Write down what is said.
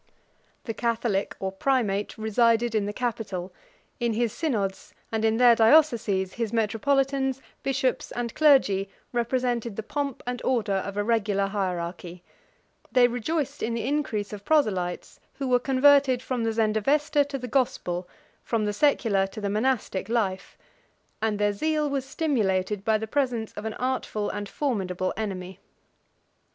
The catholic, or primate, resided in the capital: in his synods, and in their dioceses, his metropolitans, bishops, and clergy, represented the pomp and order of a regular hierarchy: they rejoiced in the increase of proselytes, who were converted from the Zendavesta to the gospel, from the secular to the monastic life; and their zeal was stimulated by the presence of an artful and formidable enemy.